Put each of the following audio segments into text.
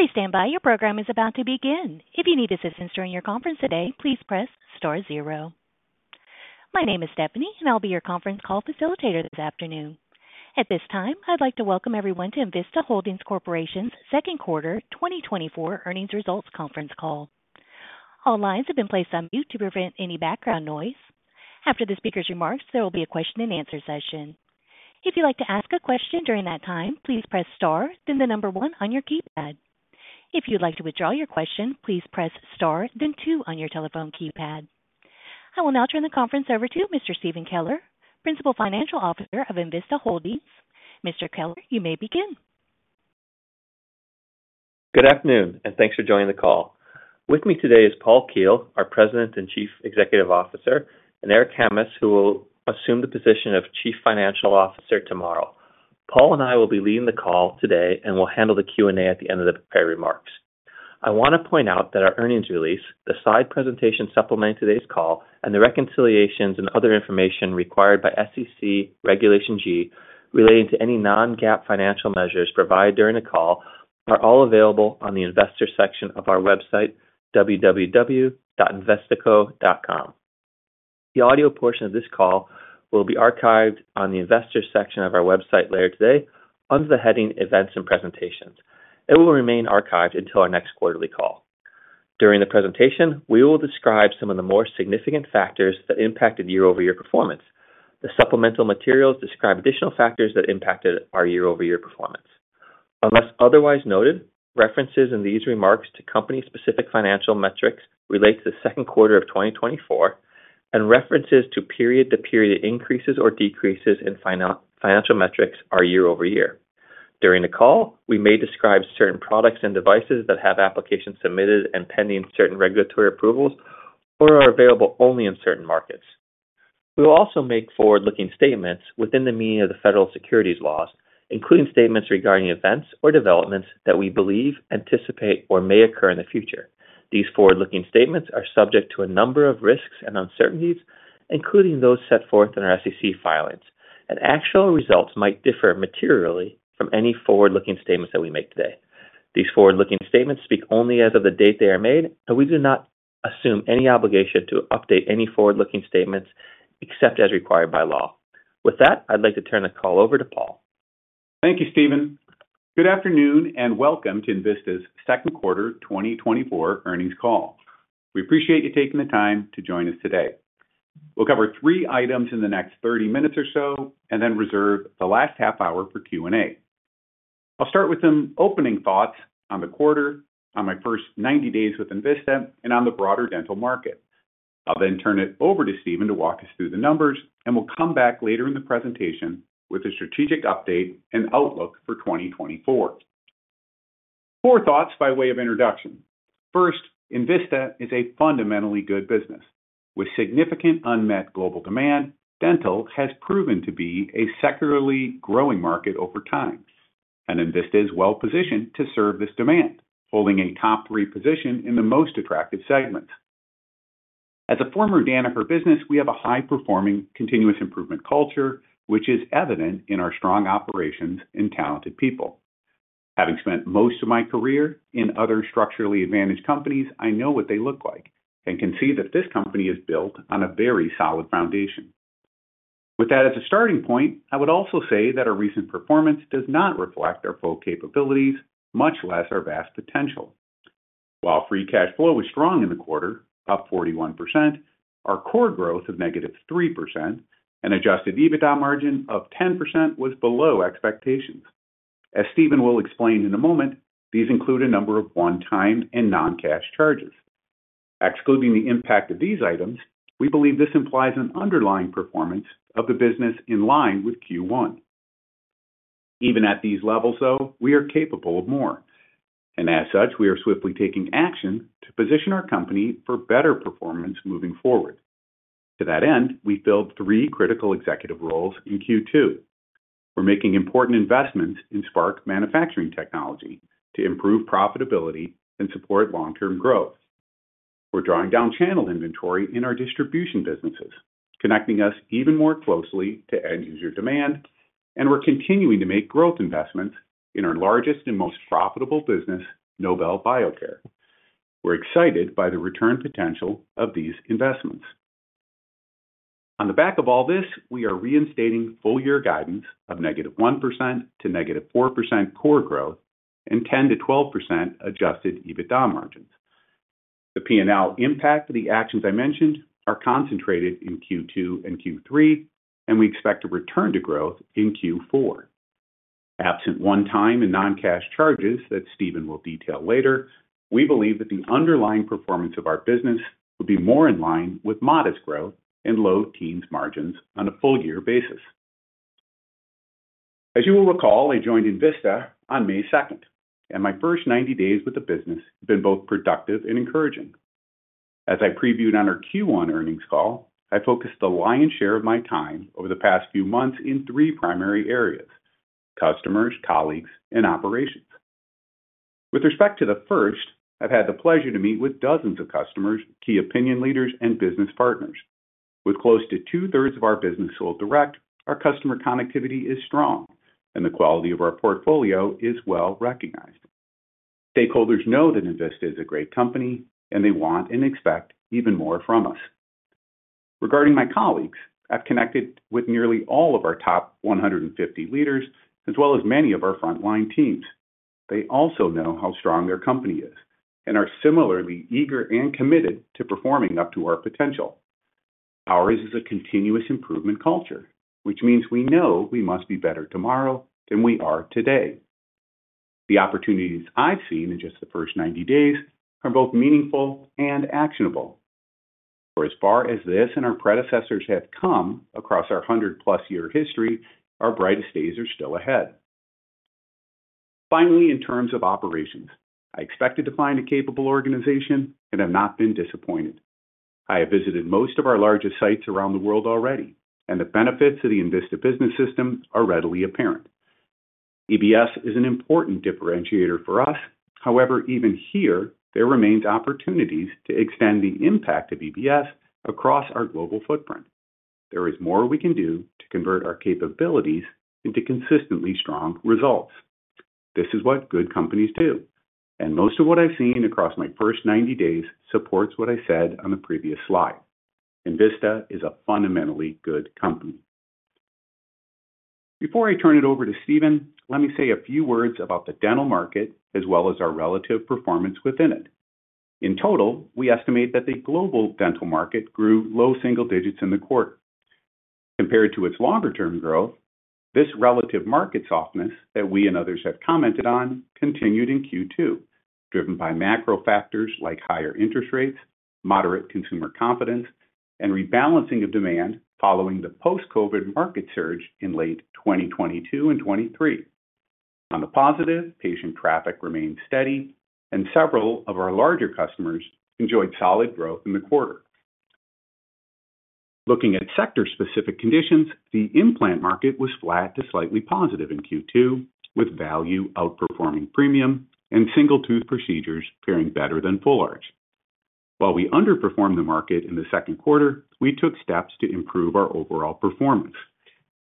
Please stand by. Your program is about to begin. If you need assistance during your conference today, please press star zero. My name is Stephanie, and I'll be your conference call facilitator this afternoon. At this time, I'd like to welcome everyone to Envista Holdings Corporation's second quarter 2024 earnings results conference call. All lines have been placed on mute to prevent any background noise. After the speaker's remarks, there will be a question-and-answer session. If you'd like to ask a question during that time, please press star, then the number one on your keypad. If you'd like to withdraw your question, please press star, then two on your telephone keypad. I will now turn the conference over to Mr. Stephen Keller, Principal Financial Officer of Envista Holdings. Mr. Keller, you may begin. Good afternoon, and thanks for joining the call. With me today is Paul Keel, our President and Chief Executive Officer, and Eric Hammes, who will assume the position of Chief Financial Officer tomorrow. Paul and I will be leading the call today and will handle the Q&A at the end of the remarks. I want to point out that our earnings release, the slide presentation supplementing today's call, and the reconciliations and other information required by SEC Regulation G relating to any non-GAAP financial measures provided during the call are all available on the Investor section of our website, www.envista.com. The audio portion of this call will be archived on the Investor section of our website later today under the heading Events and Presentations. It will remain archived until our next quarterly call. During the presentation, we will describe some of the more significant factors that impacted year-over-year performance. The supplemental materials describe additional factors that impacted our year-over-year performance. Unless otherwise noted, references in these remarks to company-specific financial metrics relate to the second quarter of 2024, and references to period-to-period increases or decreases in financial metrics are year-over-year. During the call, we may describe certain products and devices that have applications submitted and pending certain regulatory approvals or are available only in certain markets. We will also make forward-looking statements within the meaning of the federal securities laws, including statements regarding events or developments that we believe, anticipate, or may occur in the future. These forward-looking statements are subject to a number of risks and uncertainties, including those set forth in our SEC filings. Actual results might differ materially from any forward-looking statements that we make today. These forward-looking statements speak only as of the date they are made, and we do not assume any obligation to update any forward-looking statements except as required by law. With that, I'd like to turn the call over to Paul. Thank you, Stephen. Good afternoon and welcome to Envista's second quarter 2024 earnings call. We appreciate you taking the time to join us today. We'll cover three items in the next 30 minutes or so and then reserve the last half hour for Q&A. I'll start with some opening thoughts on the quarter, on my first 90 days with Envista, and on the broader dental market. I'll then turn it over to Stephen to walk us through the numbers, and we'll come back later in the presentation with a strategic update and outlook for 2024. Four thoughts by way of introduction. First, Envista is a fundamentally good business. With significant unmet global demand, dental has proven to be a securely growing market over time, and Envista is well-positioned to serve this demand, holding a top-three position in the most attractive segments. As a former Danaher business, we have a high-performing continuous improvement culture, which is evident in our strong operations and talented people. Having spent most of my career in other structurally advantaged companies, I know what they look like and can see that this company is built on a very solid foundation. With that as a starting point, I would also say that our recent performance does not reflect our full capabilities, much less our vast potential. While free cash flow was strong in the quarter, up 41%, our core growth of -3% and adjusted EBITDA margin of 10% was below expectations. As Stephen will explain in a moment, these include a number of one-time and non-cash charges. Excluding the impact of these items, we believe this implies an underlying performance of the business in line with Q1. Even at these levels, though, we are capable of more. As such, we are swiftly taking action to position our company for better performance moving forward. To that end, we filled three critical executive roles in Q2. We're making important investments in Spark manufacturing technology to improve profitability and support long-term growth. We're drawing down channel inventory in our distribution businesses, connecting us even more closely to end-user demand, and we're continuing to make growth investments in our largest and most profitable business, Nobel Biocare. We're excited by the return potential of these investments. On the back of all this, we are reinstating full-year guidance of -1% to -4% core growth and 10%-12% Adjusted EBITDA margins. The P&L impact of the actions I mentioned are concentrated in Q2 and Q3, and we expect a return to growth in Q4. Absent one-time and non-cash charges that Stephen will detail later, we believe that the underlying performance of our business would be more in line with modest growth and low teens margins on a full-year basis. As you will recall, I joined Envista on May 2nd, and my first 90 days with the business have been both productive and encouraging. As I previewed on our Q1 earnings call, I focused the lion's share of my time over the past few months in three primary areas: customers, colleagues, and operations. With respect to the first, I've had the pleasure to meet with dozens of customers, key opinion leaders, and business partners. With close to two-thirds of our business sold direct, our customer connectivity is strong, and the quality of our portfolio is well recognized. Stakeholders know that Envista is a great company, and they want and expect even more from us. Regarding my colleagues, I've connected with nearly all of our top 150 leaders, as well as many of our frontline teams. They also know how strong their company is and are similarly eager and committed to performing up to our potential. Ours is a continuous improvement culture, which means we know we must be better tomorrow than we are today. The opportunities I've seen in just the first 90 days are both meaningful and actionable. But for as far as this and our predecessors have come across our 100-plus year history, our brightest days are still ahead. Finally, in terms of operations, I expected to find a capable organization and have not been disappointed. I have visited most of our largest sites around the world already, and the benefits of the Envista Business System are readily apparent. EBS is an important differentiator for us. However, even here, there remain opportunities to extend the impact of EBS across our global footprint. There is more we can do to convert our capabilities into consistently strong results. This is what good companies do, and most of what I've seen across my first 90 days supports what I said on the previous slide. Envista is a fundamentally good company. Before I turn it over to Stephen, let me say a few words about the dental market as well as our relative performance within it. In total, we estimate that the global dental market grew low single digits in the quarter. Compared to its longer-term growth, this relative market softness that we and others have commented on continued in Q2, driven by macro factors like higher interest rates, moderate consumer confidence, and rebalancing of demand following the post-COVID market surge in late 2022 and 2023. On the positive, patient traffic remained steady, and several of our larger customers enjoyed solid growth in the quarter. Looking at sector-specific conditions, the implant market was flat to slightly positive in Q2, with value outperforming premium and single-tooth procedures faring better than full arch. While we underperformed the market in the second quarter, we took steps to improve our overall performance.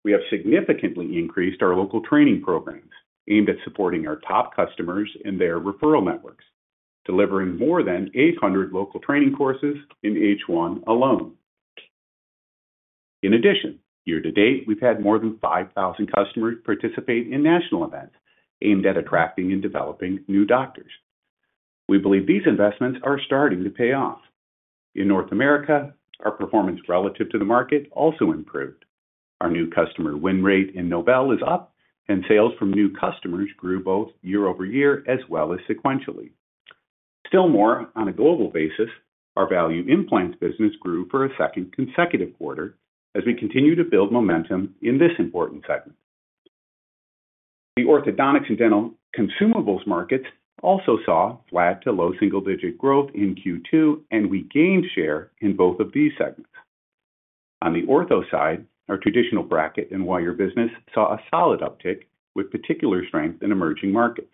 We have significantly increased our local training programs aimed at supporting our top customers and their referral networks, delivering more than 800 local training courses in H1 alone. In addition, year to date, we've had more than 5,000 customers participate in national events aimed at attracting and developing new doctors. We believe these investments are starting to pay off. In North America, our performance relative to the market also improved. Our new customer win rate in Nobel is up, and sales from new customers grew both year-over-year as well as sequentially. Still more, on a global basis, our value implants business grew for a second consecutive quarter as we continue to build momentum in this important segment. The orthodontics and dental consumables markets also saw flat to low single-digit growth in Q2, and we gained share in both of these segments. On the ortho side, our traditional bracket and wire business saw a solid uptick with particular strength in emerging markets.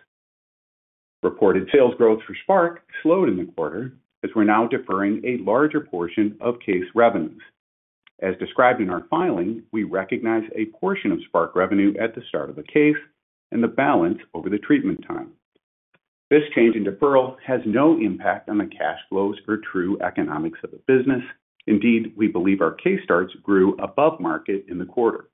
Reported sales growth for Spark slowed in the quarter as we're now deferring a larger portion of case revenues. As described in our filing, we recognize a portion of Spark revenue at the start of the case and the balance over the treatment time. This change in deferral has no impact on the cash flows or true economics of the business. Indeed, we believe our case starts grew above market in the quarter.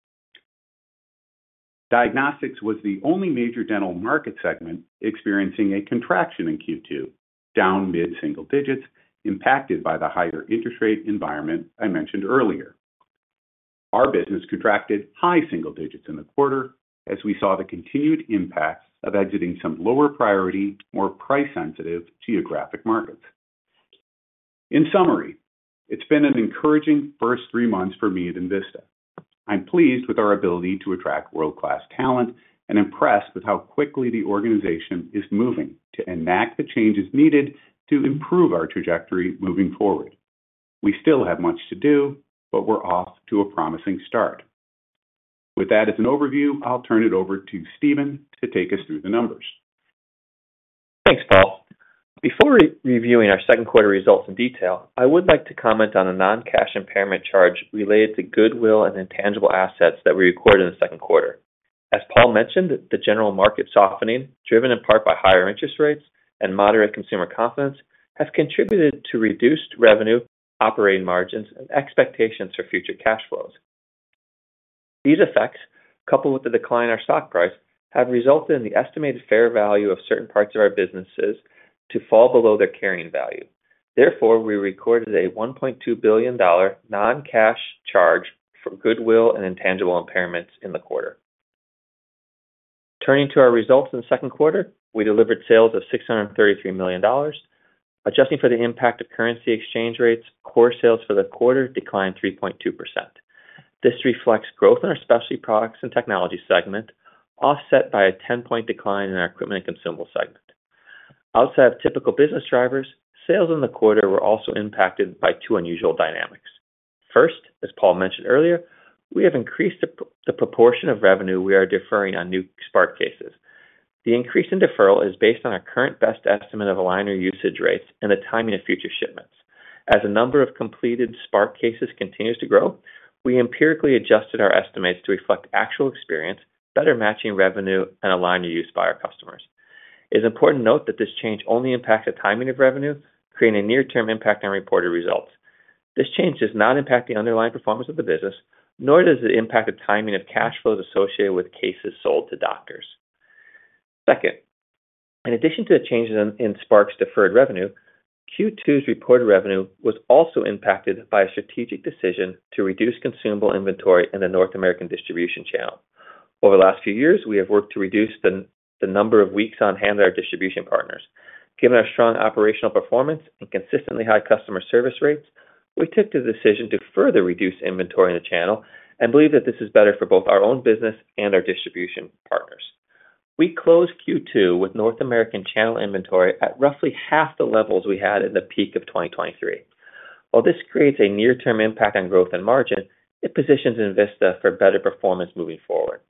Diagnostics was the only major dental market segment experiencing a contraction in Q2, down mid-single digits, impacted by the higher interest rate environment I mentioned earlier. Our business contracted high single digits in the quarter as we saw the continued impact of exiting some lower priority, more price-sensitive geographic markets. In summary, it's been an encouraging first three months for me at Envista. I'm pleased with our ability to attract world-class talent and impressed with how quickly the organization is moving to enact the changes needed to improve our trajectory moving forward. We still have much to do, but we're off to a promising start. With that as an overview, I'll turn it over to Stephen to take us through the numbers. Thanks, Paul. Before reviewing our second quarter results in detail, I would like to comment on a non-cash impairment charge related to goodwill and intangible assets that we recorded in the second quarter. As Paul mentioned, the general market softening, driven in part by higher interest rates and moderate consumer confidence, has contributed to reduced revenue, operating margins, and expectations for future cash flows. These effects, coupled with the decline in our stock price, have resulted in the estimated fair value of certain parts of our businesses to fall below their carrying value. Therefore, we recorded a $1.2 billion non-cash charge for goodwill and intangible impairments in the quarter. Turning to our results in the second quarter, we delivered sales of $633 million. Adjusting for the impact of currency exchange rates, core sales for the quarter declined 3.2%. This reflects growth in our specialty products and technology segment, offset by a 10-point decline in our equipment and consumable segment. Outside of typical business drivers, sales in the quarter were also impacted by two unusual dynamics. First, as Paul mentioned earlier, we have increased the proportion of revenue we are deferring on new Spark cases. The increase in deferral is based on our current best estimate of aligner usage rates and the timing of future shipments. As the number of completed Spark cases continues to grow, we empirically adjusted our estimates to reflect actual experience, better matching revenue and aligner use by our customers. It's important to note that this change only impacts the timing of revenue, creating a near-term impact on reported results. This change does not impact the underlying performance of the business, nor does it impact the timing of cash flows associated with cases sold to doctors. Second, in addition to the changes in Spark's deferred revenue, Q2's reported revenue was also impacted by a strategic decision to reduce consumable inventory in the North American distribution channel. Over the last few years, we have worked to reduce the number of weeks on hand at our distribution partners. Given our strong operational performance and consistently high customer service rates, we took the decision to further reduce inventory in the channel and believe that this is better for both our own business and our distribution partners. We closed Q2 with North American channel inventory at roughly half the levels we had in the peak of 2023. While this creates a near-term impact on growth and margin, it positions Envista for better performance moving forward.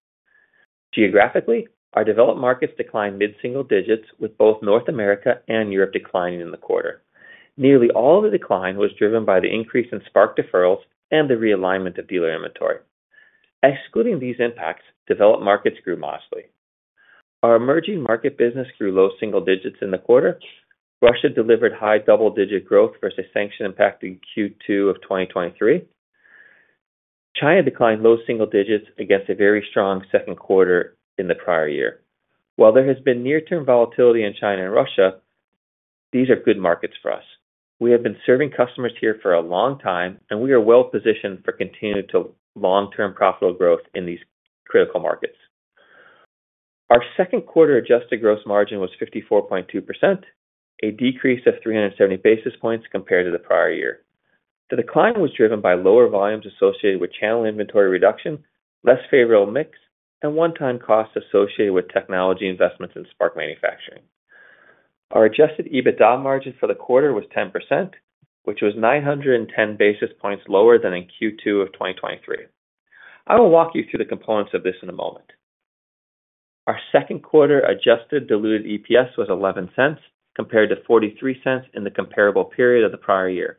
Geographically, our developed markets declined mid-single digits, with both North America and Europe declining in the quarter. Nearly all of the decline was driven by the increase in Spark deferrals and the realignment of dealer inventory. Excluding these impacts, developed markets grew modestly. Our emerging market business grew low single digits in the quarter. Russia delivered high double-digit growth versus sanctions impacting Q2 of 2023. China declined low single digits against a very strong second quarter in the prior year. While there has been near-term volatility in China and Russia, these are good markets for us. We have been serving customers here for a long time, and we are well positioned for continued long-term profitable growth in these critical markets. Our second quarter adjusted gross margin was 54.2%, a decrease of 370 basis points compared to the prior year. The decline was driven by lower volumes associated with channel inventory reduction, less favorable mix, and one-time costs associated with technology investments in Spark manufacturing. Our adjusted EBITDA margin for the quarter was 10%, which was 910 basis points lower than in Q2 of 2023. I will walk you through the components of this in a moment. Our second quarter adjusted diluted EPS was $0.11 compared to $0.43 in the comparable period of the prior year.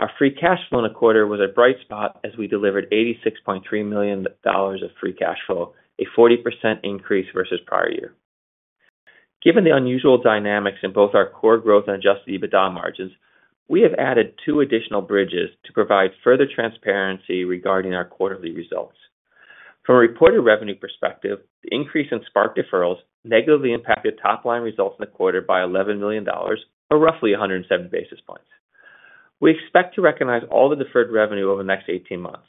Our free cash flow in the quarter was a bright spot as we delivered $86.3 million of free cash flow, a 40% increase versus prior year. Given the unusual dynamics in both our core growth and adjusted EBITDA margins, we have added two additional bridges to provide further transparency regarding our quarterly results. From a reported revenue perspective, the increase in Spark deferrals negatively impacted top-line results in the quarter by $11 million, or roughly 107 basis points. We expect to recognize all the deferred revenue over the next 18 months.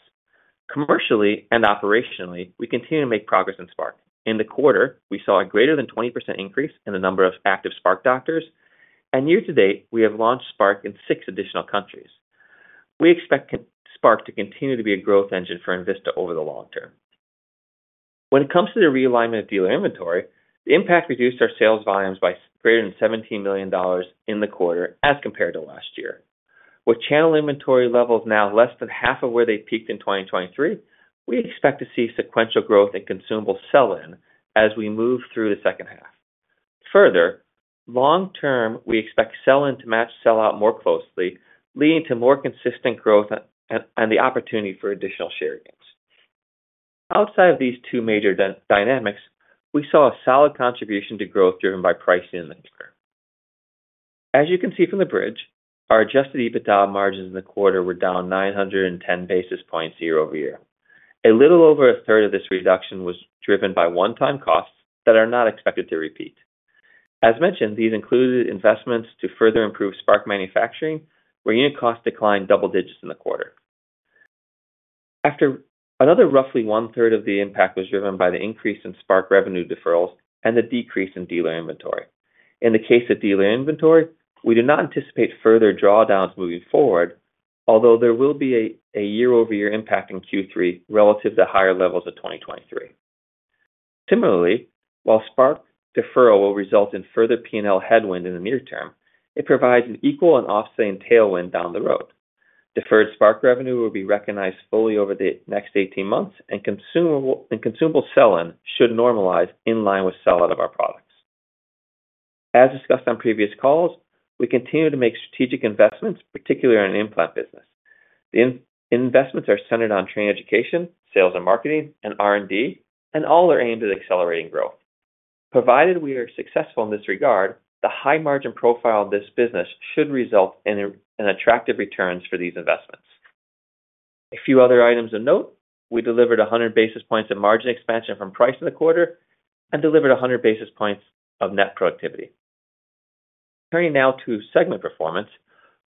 Commercially and operationally, we continue to make progress in Spark. In the quarter, we saw a greater than 20% increase in the number of active Spark doctors, and year to date, we have launched Spark in six additional countries. We expect Spark to continue to be a growth engine for Envista over the long term. When it comes to the realignment of dealer inventory, the impact reduced our sales volumes by greater than $17 million in the quarter as compared to last year. With channel inventory levels now less than half of where they peaked in 2023, we expect to see sequential growth in consumables sell-in as we move through the second half. Further, long term, we expect sell-in to match sell-out more closely, leading to more consistent growth and the opportunity for additional share gains. Outside of these two major dynamics, we saw a solid contribution to growth driven by pricing in the quarter. As you can see from the bridge, our adjusted EBITDA margins in the quarter were down 910 basis points year-over-year. A little over a third of this reduction was driven by one-time costs that are not expected to repeat. As mentioned, these included investments to further improve Spark manufacturing, where unit costs declined double digits in the quarter. After. Another roughly one-third of the impact was driven by the increase in Spark revenue deferrals and the decrease in dealer inventory. In the case of dealer inventory, we do not anticipate further drawdowns moving forward, although there will be a year-over-year impact in Q3 relative to higher levels of 2023. Similarly, while Spark deferral will result in further P&L headwind in the near term, it provides an equal and offsetting tailwind down the road. Deferred Spark revenue will be recognized fully over the next 18 months, and consumable sell-in should normalize in line with sell-out of our products. As discussed on previous calls, we continue to make strategic investments, particularly in implant business. The investments are centered on training education, sales and marketing, and R&D, and all are aimed at accelerating growth. Provided we are successful in this regard, the high margin profile of this business should result in attractive returns for these investments. A few other items of note: we delivered 100 basis points of margin expansion from price in the quarter and delivered 100 basis points of net productivity. Turning now to segment performance,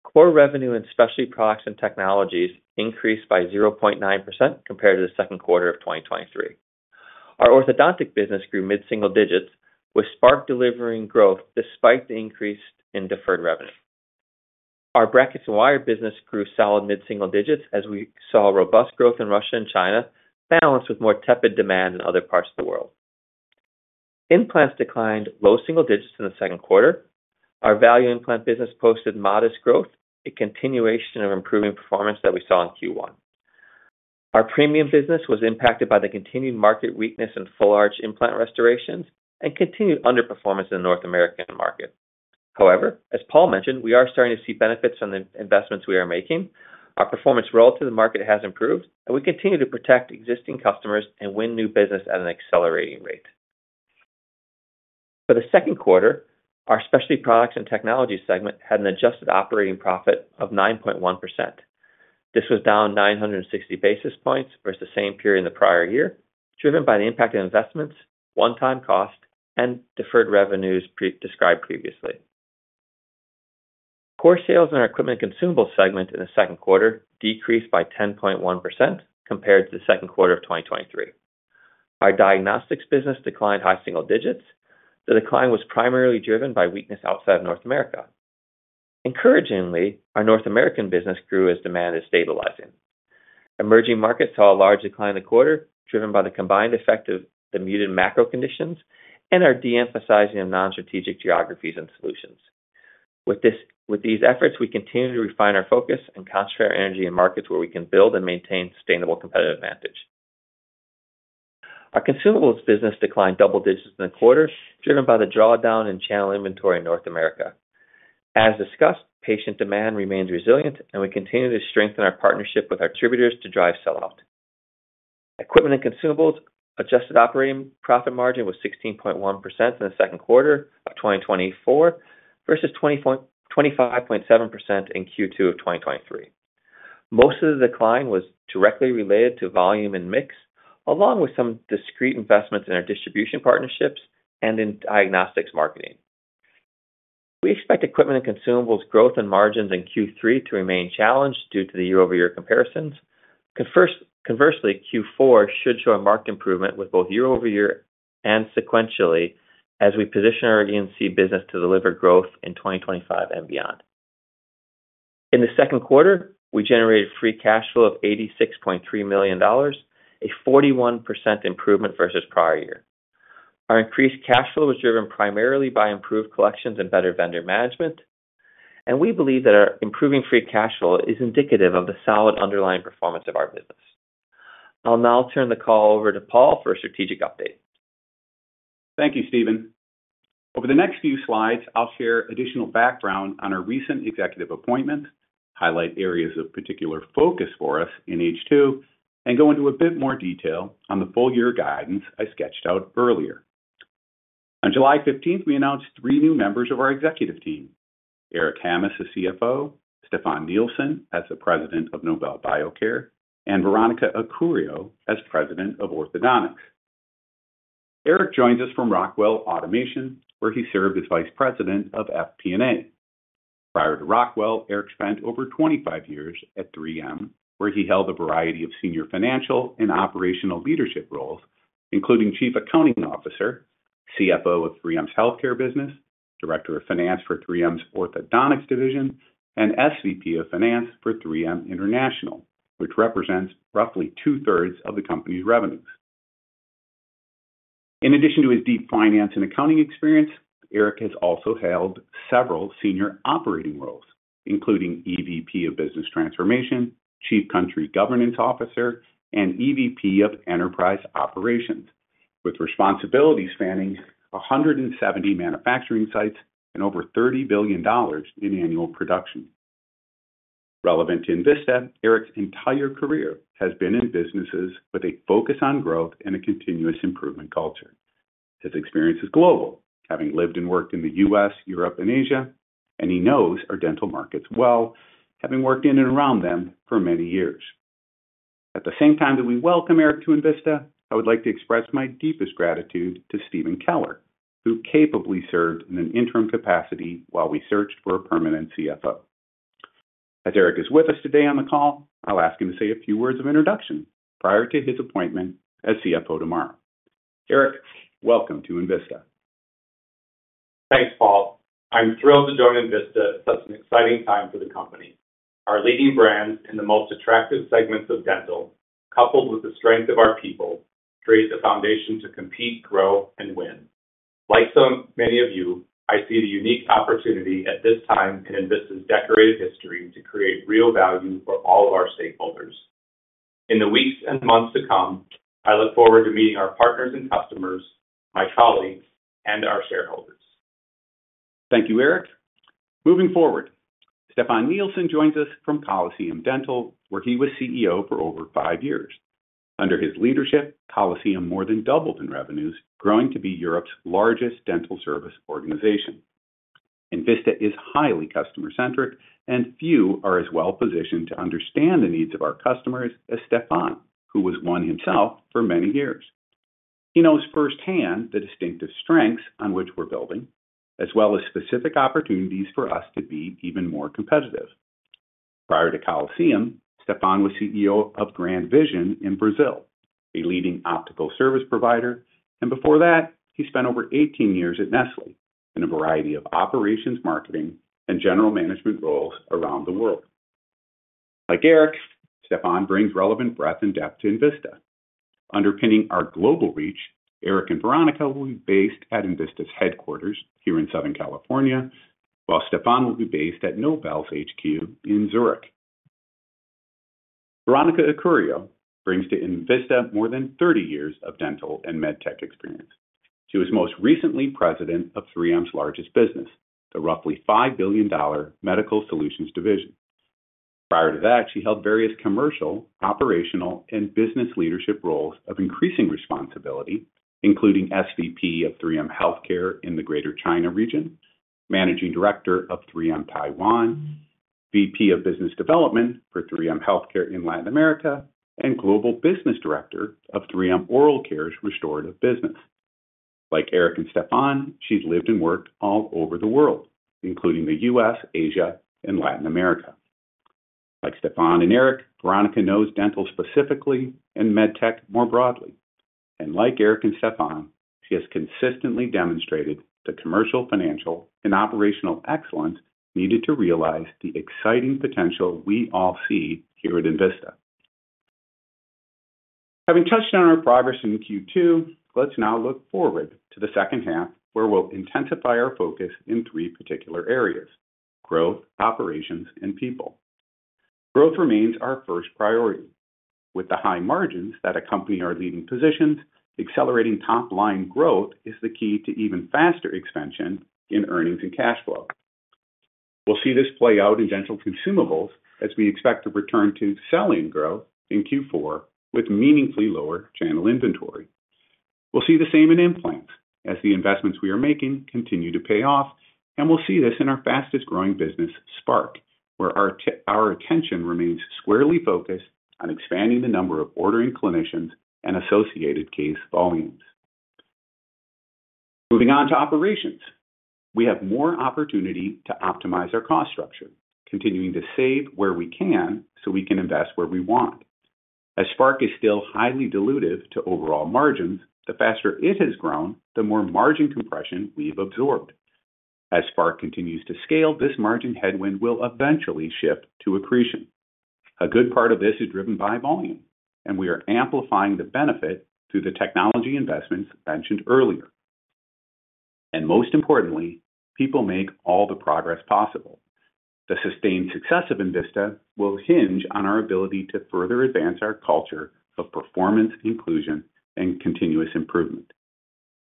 core revenue in specialty products and technologies increased by 0.9% compared to the second quarter of 2023. Our orthodontic business grew mid-single digits, with Spark delivering growth despite the increase in deferred revenue. Our brackets and wire business grew solid mid-single digits as we saw robust growth in Russia and China, balanced with more tepid demand in other parts of the world. Implants declined low single digits in the second quarter. Our value implant business posted modest growth, a continuation of improving performance that we saw in Q1. Our premium business was impacted by the continued market weakness in full arch implant restorations and continued underperformance in the North American market. However, as Paul mentioned, we are starting to see benefits from the investments we are making. Our performance relative to the market has improved, and we continue to protect existing customers and win new business at an accelerating rate. For the second quarter, our specialty products and technology segment had an adjusted operating profit of 9.1%. This was down 960 basis points versus the same period in the prior year, driven by the impact of investments, one-time cost, and deferred revenues described previously. Core sales in our equipment and consumables segment in the second quarter decreased by 10.1% compared to the second quarter of 2023. Our diagnostics business declined high single digits. The decline was primarily driven by weakness outside of North America. Encouragingly, our North American business grew as demand is stabilizing. Emerging markets saw a large decline in the quarter, driven by the combined effect of the muted macro conditions and our de-emphasizing of non-strategic geographies and solutions. With these efforts, we continue to refine our focus and concentrate our energy in markets where we can build and maintain sustainable competitive advantage. Our consumables business declined double digits in the quarter, driven by the drawdown in channel inventory in North America. As discussed, patient demand remains resilient, and we continue to strengthen our partnership with our distributors to drive sell-out. Equipment and consumables adjusted operating profit margin was 16.1% in the second quarter of 2024 versus 25.7% in Q2 of 2023. Most of the decline was directly related to volume and mix, along with some discrete investments in our distribution partnerships and in diagnostics marketing. We expect equipment and consumables growth and margins in Q3 to remain challenged due to the year-over-year comparisons. Conversely, Q4 should show a marked improvement with both year-over-year and sequentially as we position our E&C business to deliver growth in 2025 and beyond. In the second quarter, we generated free cash flow of $86.3 million, a 41% improvement versus prior year. Our increased cash flow was driven primarily by improved collections and better vendor management, and we believe that our improving free cash flow is indicative of the solid underlying performance of our business. I'll now turn the call over to Paul for a strategic update. Thank you, Stephen. Over the next few slides, I'll share additional background on our recent executive appointment, highlight areas of particular focus for us in H2, and go into a bit more detail on the full-year guidance I sketched out earlier. On July 15th, we announced three new members of our executive team: Eric Hammes as CFO, Stefan Nilsson as the president of Nobel Biocare, and Veronica Acurio as president of Orthodontics. Eric joins us from Rockwell Automation, where he served as vice president of FP&A. Prior to Rockwell, Eric spent over 25 years at 3M, where he held a variety of senior financial and operational leadership roles, including chief accounting officer, CFO of 3M's healthcare business, director of finance for 3M's orthodontics division, and SVP of finance for 3M International, which represents roughly two-thirds of the company's revenues. In addition to his deep finance and accounting experience, Eric has also held several senior operating roles, including EVP of business transformation, chief country governance officer, and EVP of enterprise operations, with responsibilities spanning 170 manufacturing sites and over $30 billion in annual production. Relevant to Envista, Eric's entire career has been in businesses with a focus on growth and a continuous improvement culture. His experience is global, having lived and worked in the U.S., Europe, and Asia, and he knows our dental markets well, having worked in and around them for many years. At the same time that we welcome Eric to Envista, I would like to express my deepest gratitude to Stephen Keller, who capably served in an interim capacity while we searched for a permanent CFO. As Eric is with us today on the call, I'll ask him to say a few words of introduction prior to his appointment as CFO tomorrow. Eric, welcome to Envista. Thanks, Paul. I'm thrilled to join Envista. Such an exciting time for the company. Our leading brands in the most attractive segments of dental, coupled with the strength of our people, create the foundation to compete, grow, and win. Like so many of you, I see the unique opportunity at this time in Envista's decorated history to create real value for all of our stakeholders. In the weeks and months to come, I look forward to meeting our partners and customers, my colleagues, and our shareholders. Thank you, Eric. Moving forward, Stephan Nielsen joins us from Coliseum Dental, where he was CEO for over five years. Under his leadership, Coliseum more than doubled in revenues, growing to be Europe's largest dental service organization. Envista is highly customer-centric, and few are as well positioned to understand the needs of our customers as Stephan, who was one himself for many years. He knows firsthand the distinctive strengths on which we're building, as well as specific opportunities for us to be even more competitive. Prior to Coliseum, Stephan was CEO of GrandVision in Brazil, a leading optical service provider, and before that, he spent over 18 years at Nestlé in a variety of operations, marketing, and general management roles around the world. Like Eric, Stephan brings relevant breadth and depth to Envista. Underpinning our global reach, Eric and Veronica will be based at Envista's headquarters here in Southern California, while Stephan will be based at Nobel's HQ in Zurich. Veronica Acurio brings to Envista more than 30 years of dental and med tech experience. She was most recently president of 3M's largest business, the roughly $5 billion Medical Solutions Division. Prior to that, she held various commercial, operational, and business leadership roles of increasing responsibility, including SVP of 3M Healthcare in the Greater China region, managing director of 3M Taiwan, VP of business development for 3M Healthcare in Latin America, and global business director of 3M Oral Care's restorative business. Like Eric and Stephan, she's lived and worked all over the world, including the U.S., Asia, and Latin America. Like Stephan and Eric, Veronica knows dental specifically and med tech more broadly. And like Eric and Stephan, she has consistently demonstrated the commercial, financial, and operational excellence needed to realize the exciting potential we all see here at Envista. Having touched on our progress in Q2, let's now look forward to the second half, where we'll intensify our focus in three particular areas: growth, operations, and people. Growth remains our first priority. With the high margins that accompany our leading positions, accelerating top-line growth is the key to even faster expansion in earnings and cash flow. We'll see this play out in dental consumables as we expect a return to sell-in growth in Q4 with meaningfully lower channel inventory. We'll see the same in implants as the investments we are making continue to pay off, and we'll see this in our fastest-growing business, Spark, where our attention remains squarely focused on expanding the number of ordering clinicians and associated case volumes. Moving on to operations, we have more opportunity to optimize our cost structure, continuing to save where we can so we can invest where we want. As Spark is still highly dilutive to overall margins, the faster it has grown, the more margin compression we've absorbed. As Spark continues to scale, this margin headwind will eventually shift to accretion. A good part of this is driven by volume, and we are amplifying the benefit through the technology investments mentioned earlier. And most importantly, people make all the progress possible. The sustained success of Envista will hinge on our ability to further advance our culture of performance, inclusion, and continuous improvement.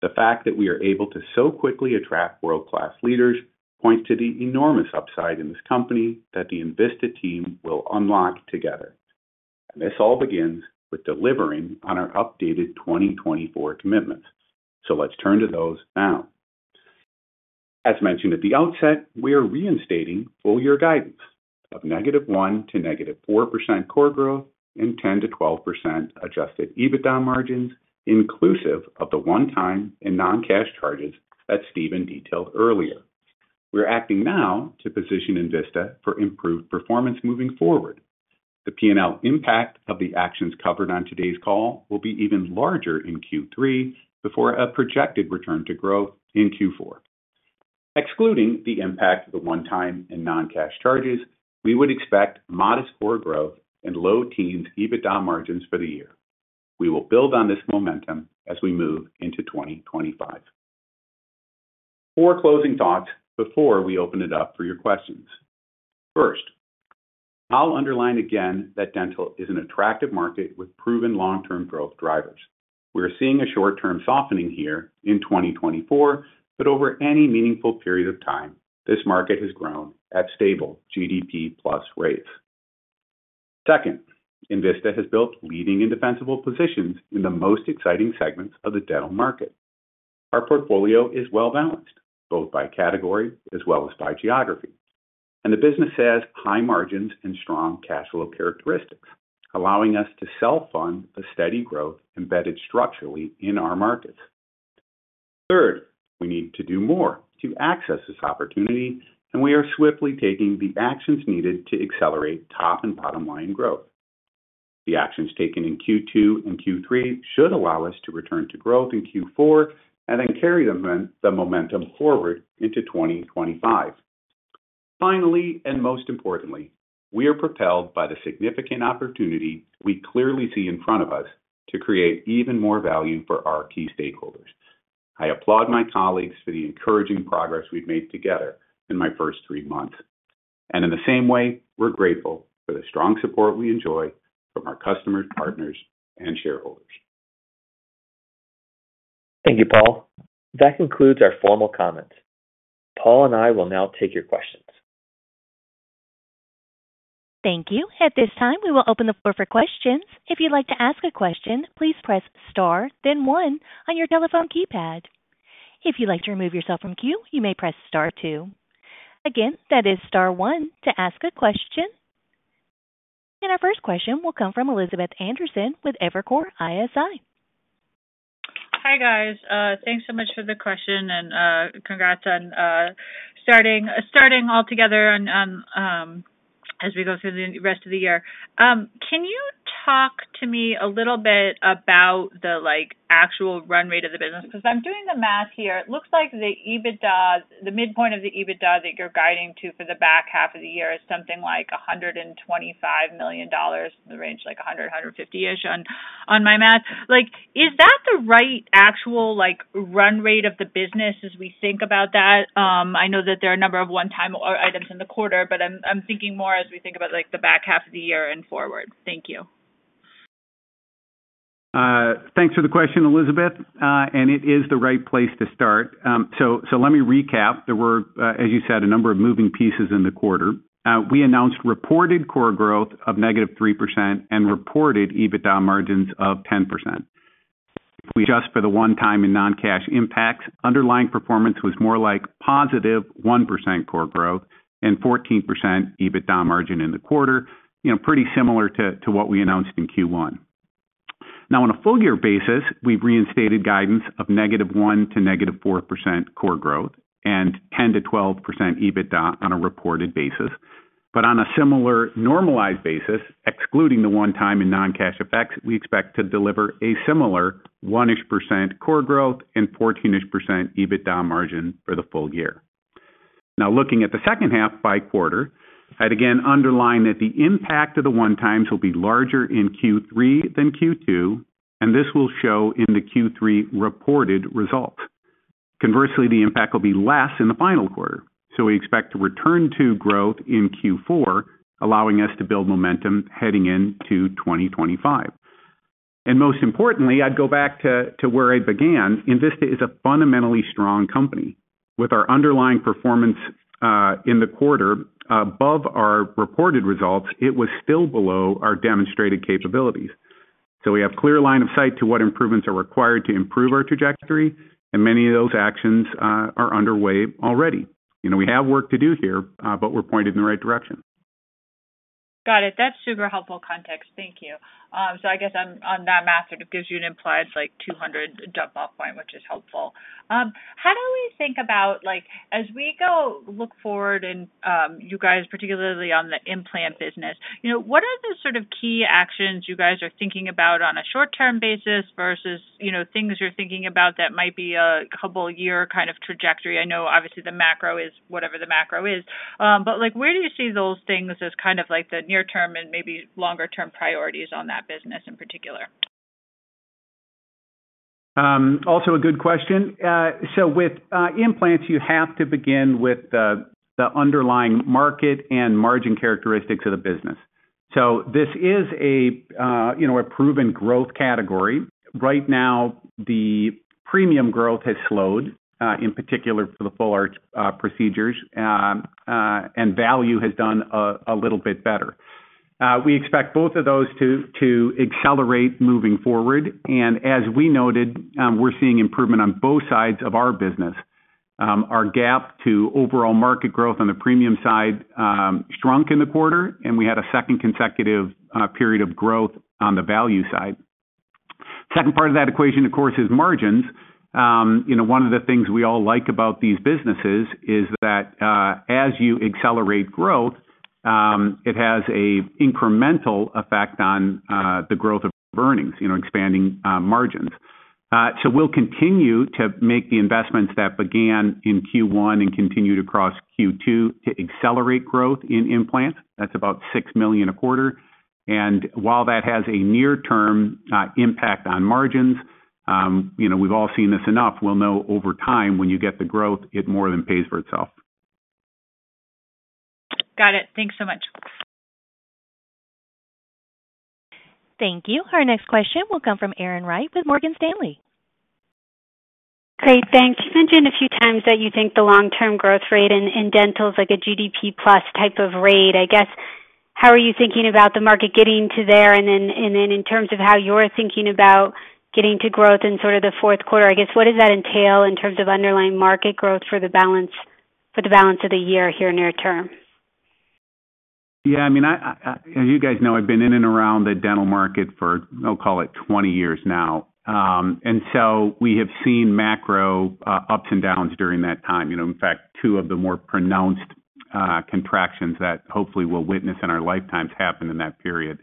The fact that we are able to so quickly attract world-class leaders points to the enormous upside in this company that the Envista team will unlock together. This all begins with delivering on our updated 2024 commitments, so let's turn to those now. As mentioned at the outset, we are reinstating full-year guidance of -1% to -4% core growth and 10%-12% Adjusted EBITDA margins, inclusive of the one-time and non-cash charges that Stephen detailed earlier. We're acting now to position Envista for improved performance moving forward. The P&L impact of the actions covered on today's call will be even larger in Q3 before a projected return to growth in Q4. Excluding the impact of the one-time and non-cash charges, we would expect modest core growth and low teens EBITDA margins for the year. We will build on this momentum as we move into 2025. Four closing thoughts before we open it up for your questions. First, I'll underline again that dental is an attractive market with proven long-term growth drivers. We are seeing a short-term softening here in 2024, but over any meaningful period of time, this market has grown at stable GDP plus rates. Second, Envista has built leading and defensible positions in the most exciting segments of the dental market. Our portfolio is well-balanced, both by category as well as by geography, and the business has high margins and strong cash flow characteristics, allowing us to self-fund a steady growth embedded structurally in our markets. Third, we need to do more to access this opportunity, and we are swiftly taking the actions needed to accelerate top and bottom-line growth. The actions taken in Q2 and Q3 should allow us to return to growth in Q4 and then carry the momentum forward into 2025. Finally, and most importantly, we are propelled by the significant opportunity we clearly see in front of us to create even more value for our key stakeholders. I applaud my colleagues for the encouraging progress we've made together in my first three months, and in the same way, we're grateful for the strong support we enjoy from our customers, partners, and shareholders. Thank you, Paul. That concludes our formal comments. Paul and I will now take your questions. Thank you. At this time, we will open the floor for questions. If you'd like to ask a question, please press Star, then One on your telephone keypad. If you'd like to remove yourself from queue, you may press Star Two. Again, that is Star One to ask a question. Our first question will come from Elizabeth Anderson with Evercore ISI. Hi guys. Thanks so much for the question, and congrats on starting all together as we go through the rest of the year. Can you talk to me a little bit about the actual run rate of the business? Because I'm doing the math here. It looks like the EBITDA, the midpoint of the EBITDA that you're guiding to for the back half of the year is something like $125 million, in the range like $100 million-$150 million-ish on my math. Is that the right actual run rate of the business as we think about that? I know that there are a number of one-time items in the quarter, but I'm thinking more as we think about the back half of the year and forward. Thank you. Thanks for the question, Elizabeth, and it is the right place to start. So let me recap. There were, as you said, a number of moving pieces in the quarter. We announced reported core growth of -3% and reported EBITDA margins of 10%. If we adjust for the one-time and non-cash impacts, underlying performance was more like +1% core growth and 14% EBITDA margin in the quarter, pretty similar to what we announced in Q1. Now, on a full-year basis, we've reinstated guidance of -1% to -4% core growth and 10%-12% EBITDA on a reported basis. But on a similar normalized basis, excluding the one-time and non-cash effects, we expect to deliver a similar 1-ish% core growth and 14-ish% EBITDA margin for the full year. Now, looking at the second half by quarter, I'd again underline that the impact of the one-times will be larger in Q3 than Q2, and this will show in the Q3 reported results. Conversely, the impact will be less in the final quarter. We expect to return to growth in Q4, allowing us to build momentum heading into 2025. Most importantly, I'd go back to where I began. Envista is a fundamentally strong company. With our underlying performance in the quarter above our reported results, it was still below our demonstrated capabilities. We have a clear line of sight to what improvements are required to improve our trajectory, and many of those actions are underway already. We have work to do here, but we're pointed in the right direction. Got it. That's super helpful context. Thank you. So I guess on that math, it gives you an implied 200 drop-off point, which is helpful. How do we think about, as we go look forward, and you guys, particularly on the implant business, what are the sort of key actions you guys are thinking about on a short-term basis versus things you're thinking about that might be a couple-year kind of trajectory? I know, obviously, the macro is whatever the macro is. But where do you see those things as kind of the near-term and maybe longer-term priorities on that business in particular? Also, a good question. So with implants, you have to begin with the underlying market and margin characteristics of the business. So this is a proven growth category. Right now, the premium growth has slowed, in particular for the full arch procedures, and value has done a little bit better. We expect both of those to accelerate moving forward. And as we noted, we're seeing improvement on both sides of our business. Our gap to overall market growth on the premium side shrunk in the quarter, and we had a second consecutive period of growth on the value side. The second part of that equation, of course, is margins. One of the things we all like about these businesses is that as you accelerate growth, it has an incremental effect on the growth of earnings, expanding margins. We'll continue to make the investments that began in Q1 and continued across Q2 to accelerate growth in implants. That's about $6 million a quarter. While that has a near-term impact on margins, we've all seen this enough. We'll know over time when you get the growth, it more than pays for itself. Got it. Thanks so much. Thank you. Our next question will come from Erin Wright with Morgan Stanley. Great. Thanks. You mentioned a few times that you think the long-term growth rate in dental is a GDP plus type of rate. I guess, how are you thinking about the market getting to there? And then in terms of how you're thinking about getting to growth in sort of the fourth quarter, I guess, what does that entail in terms of underlying market growth for the balance of the year here near term? Yeah. I mean, you guys know I've been in and around the dental market for, I'll call it, 20 years now. We have seen macro ups and downs during that time. In fact, two of the more pronounced contractions that hopefully we'll witness in our lifetimes happened in that period.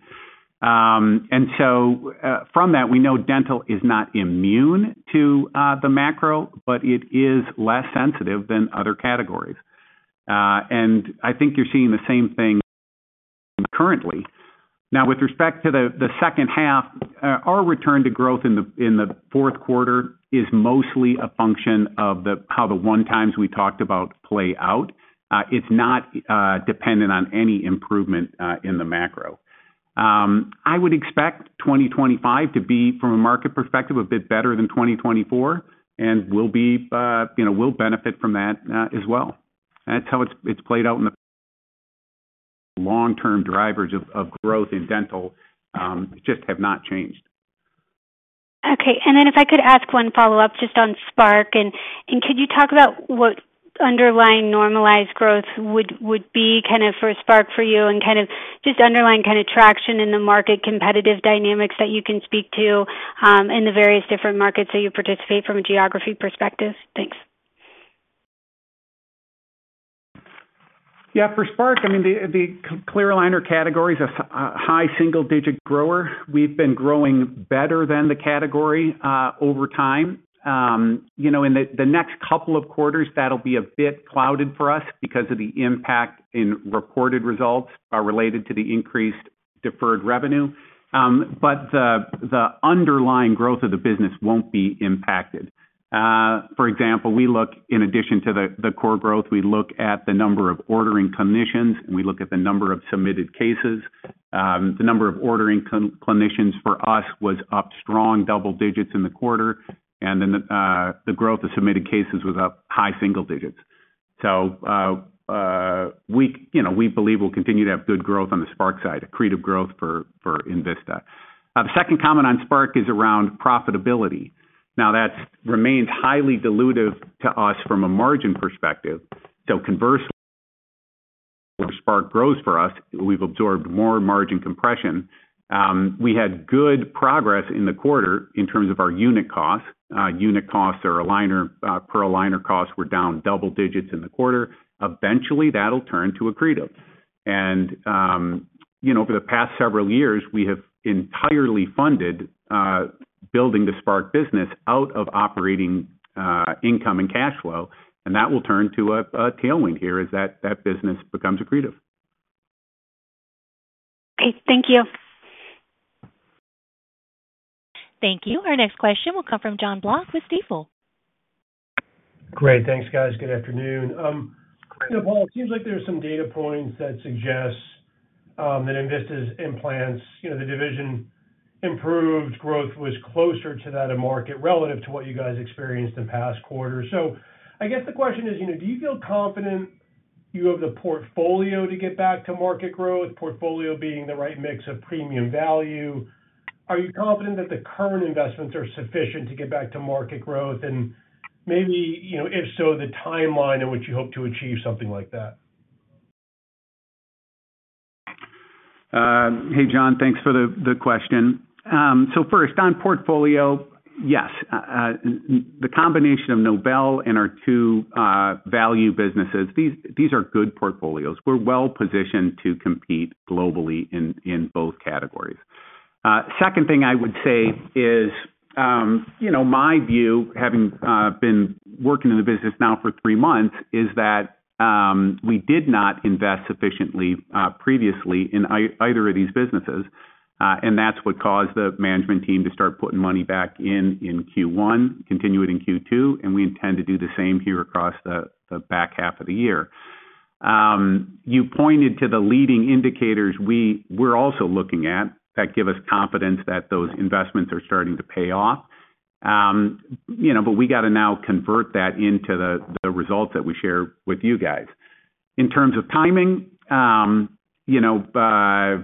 And so from that, we know dental is not immune to the macro, but it is less sensitive than other categories. And I think you're seeing the same thing currently. Now, with respect to the second half, our return to growth in the fourth quarter is mostly a function of how the one-times we talked about play out. It's not dependent on any improvement in the macro. I would expect 2025 to be, from a market perspective, a bit better than 2024, and we'll benefit from that as well. That's how it's played out in the long-term drivers of growth in dental just have not changed. Okay. And then if I could ask one follow-up just on Spark, and could you talk about what underlying normalized growth would be kind of for Spark for you and kind of just underlying kind of traction in the market competitive dynamics that you can speak to in the various different markets that you participate from a geography perspective? Thanks. Yeah. For Spark, I mean, the clear aligner category is a high single-digit grower. We've been growing better than the category over time. In the next couple of quarters, that'll be a bit clouded for us because of the impact in reported results related to the increased deferred revenue. But the underlying growth of the business won't be impacted. For example, in addition to the core growth, we look at the number of ordering clinicians, and we look at the number of submitted cases. The number of ordering clinicians for us was up strong double digits in the quarter, and then the growth of submitted cases was up high single digits. So we believe we'll continue to have good growth on the Spark side, accretive growth for Envista. The second comment on Spark is around profitability. Now, that remains highly dilutive to us from a margin perspective. Conversely, where Spark grows for us, we've absorbed more margin compression. We had good progress in the quarter in terms of our unit costs. Unit costs or per aligner costs were down double digits in the quarter. Eventually, that'll turn to accretive. Over the past several years, we have entirely funded building the Spark business out of operating income and cash flow. That will turn to a tailwind here as that business becomes accretive. Okay. Thank you. Thank you. Our next question will come from John Block with Stifel. Great. Thanks, guys. Good afternoon. Paul, it seems like there are some data points that suggest that Envista's implants, the division, improved growth was closer to that of market relative to what you guys experienced in past quarters. I guess the question is, do you feel confident you have the portfolio to get back to market growth, portfolio being the right mix of premium value? Are you confident that the current investments are sufficient to get back to market growth? Maybe, if so, the timeline in which you hope to achieve something like that? Hey, John, thanks for the question. First, on portfolio, yes. The combination of Nobel and our two value businesses, these are good portfolios. We're well-positioned to compete globally in both categories. Second thing I would say is my view, having been working in the business now for three months, is that we did not invest sufficiently previously in either of these businesses. That's what caused the management team to start putting money back in Q1, continuing in Q2, and we intend to do the same here across the back half of the year. You pointed to the leading indicators we're also looking at that give us confidence that those investments are starting to pay off. But we got to now convert that into the results that we share with you guys. In terms of timing, I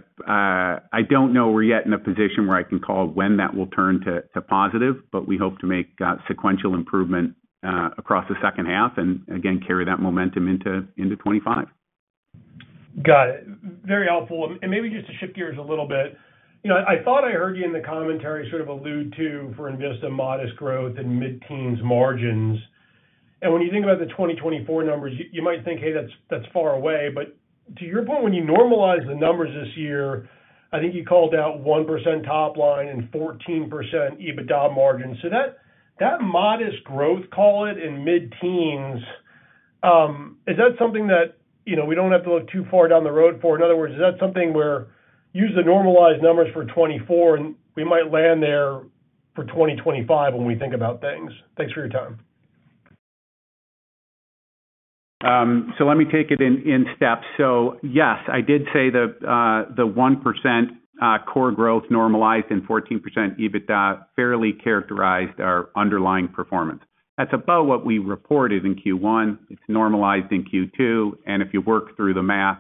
don't know. We're not yet in a position where I can call when that will turn to positive, but we hope to make sequential improvement across the second half and, again, carry that momentum into 2025. Got it. Very helpful. Maybe just to shift gears a little bit, I thought I heard you in the commentary sort of allude to, for Envista, modest growth and mid-teens margins. When you think about the 2024 numbers, you might think, "Hey, that's far away." To your point, when you normalize the numbers this year, I think you called out 1% top line and 14% EBITDA margin. That modest growth, call it, in mid-teens, is that something that we don't have to look too far down the road for? In other words, is that something where use the normalized numbers for 2024, and we might land there for 2025 when we think about things? Thanks for your time. Let me take it in steps. Yes, I did say the 1% core growth normalized and 14% EBITDA fairly characterized our underlying performance. That's about what we reported in Q1. It's normalized in Q2. And if you work through the math,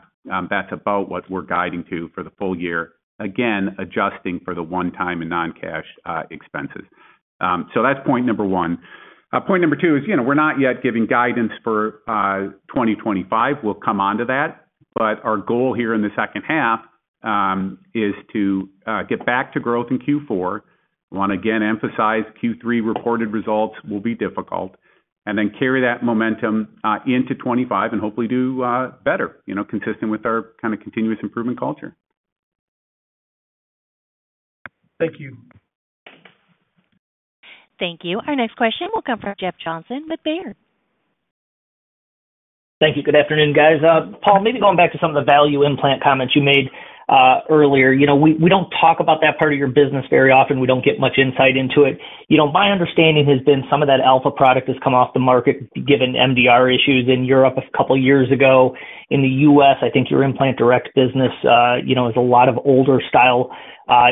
that's about what we're guiding to for the full year, again, adjusting for the one-time and non-cash expenses. So that's point number one. Point number two is we're not yet giving guidance for 2025. We'll come on to that. But our goal here in the second half is to get back to growth in Q4. I want to, again, emphasize Q3 reported results will be difficult, and then carry that momentum into 2025 and hopefully do better, consistent with our kind of continuous improvement culture. Thank you. Thank you. Our next question will come from Jeff Johnson with Baird. Thank you. Good afternoon, guys. Paul, maybe going back to some of the value implant comments you made earlier, we don't talk about that part of your business very often. We don't get much insight into it. My understanding has been some of that Alpha product has come off the market given MDR issues in Europe a couple of years ago. In the U.S., I think your Implant Direct business has a lot of older-style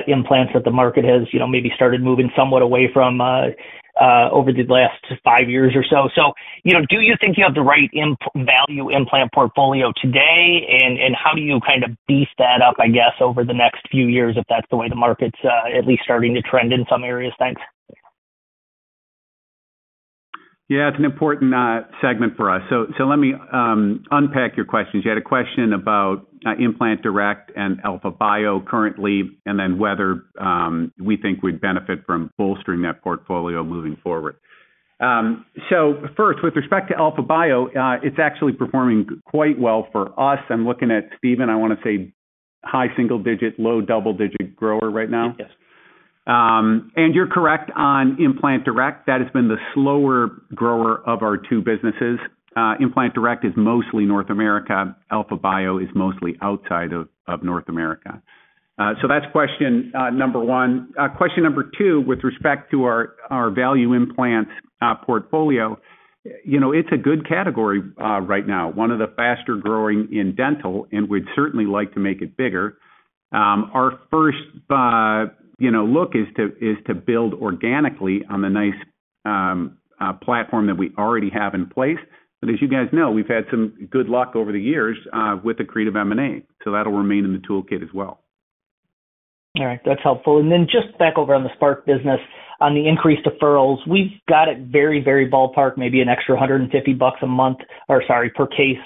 implants that the market has maybe started moving somewhat away from over the last five years or so. Do you think you have the right value implant portfolio today, and how do you kind of beef that up, I guess, over the next few years if that's the way the market's at least starting to trend in some areas? Thanks. Yeah. It's an important segment for us. Let me unpack your questions. You had a question about Implant Direct and Alpha-Bio currently, and then whether we think we'd benefit from bolstering that portfolio moving forward. So first, with respect to Alpha-Bio, it's actually performing quite well for us. I'm looking at Stephen. I want to say high single-digit, low double-digit grower right now. You're correct on Implant Direct. That has been the slower grower of our two businesses. Implant Direct is mostly North America. Alpha-Bio is mostly outside of North America. So that's question number one. Question number two, with respect to our value implants portfolio, it's a good category right now. One of the faster growing in dental, and we'd certainly like to make it bigger. Our first look is to build organically on the nice platform that we already have in place. As you guys know, we've had some good luck over the years with accretive M&A. That'll remain in the toolkit as well. All right. That's helpful. And then just back over on the Spark business, on the increased deferrals, we've got it very, very ballpark, maybe an extra $150 a month or, sorry, per case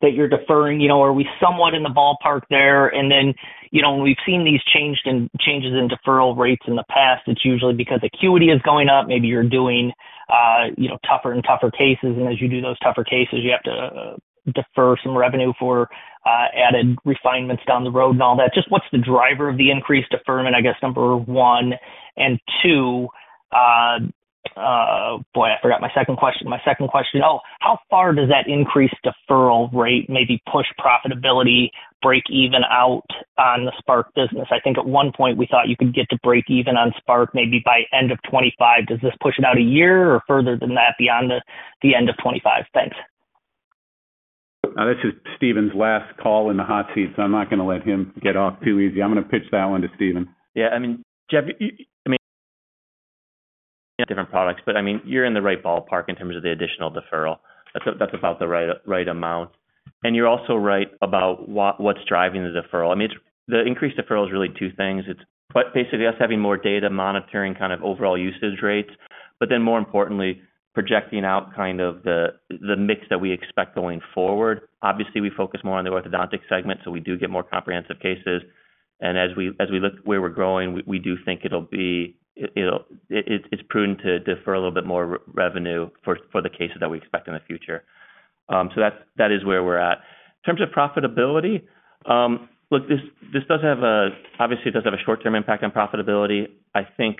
that you're deferring. Are we somewhat in the ballpark there? And then when we've seen these changes in deferral rates in the past, it's usually because acuity is going up. Maybe you're doing tougher and tougher cases. And as you do those tougher cases, you have to defer some revenue for added refinements down the road and all that. Just what's the driver of the increased deferment, I guess, number one? And two, boy, I forgot my second question. My second question, oh, how far does that increased deferral rate maybe push profitability, break even out on the Spark business? I think at one point we thought you could get to break even on Spark maybe by end of 2025. Does this push it out a year or further than that beyond the end of 2025? Thanks. This is Stephen's last call in the hot seat, so I'm not going to let him get off too easy. I'm going to pitch that one to Stephen. Yeah. I mean, Jeff, I mean, different products, but I mean, you're in the right ballpark in terms of the additional deferral. That's about the right amount. You're also right about what's driving the deferral. I mean, the increased deferral is really two things. It's basically us having more data monitoring kind of overall usage rates, but then more importantly, projecting out kind of the mix that we expect going forward. Obviously, we focus more on the orthodontic segment, so we do get more comprehensive cases. As we look where we're growing, we do think it's prudent to defer a little bit more revenue for the cases that we expect in the future. So that is where we're at. In terms of profitability, look, this does have a, obviously, short-term impact on profitability. I think,